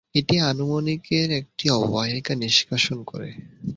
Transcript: এটি আনুমানিক এর একটি অববাহিকা নিষ্কাশন করে।